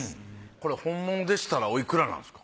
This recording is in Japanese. これ本物でしたらおいくらなんですか？